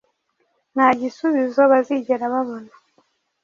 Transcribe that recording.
nta gisubizo bazigera babona